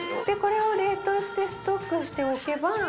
でこれを冷凍してストックしておけば。